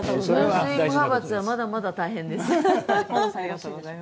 無派閥はまだまだ大変です。